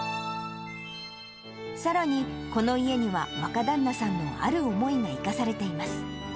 さらに、この家には、若旦那さんのある思いが生かされています。